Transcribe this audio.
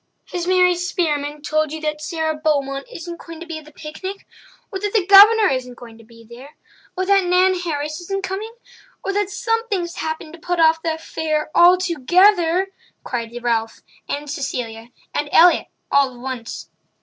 Has Mary Spearman told you that Sara Beaumont isn't going to be at the picnic?" "Or that the Governor isn't going to be there?" "Or that Nan Harris isn't coming?" "Or that something's happened to put off the affair altogether?" cried Ralph and Cecilia and Elliott all at once.